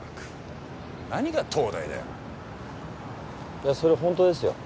いやそれ本当ですよ。